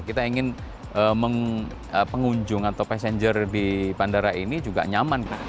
kita ingin pengunjung atau passenger di bandara ini juga nyaman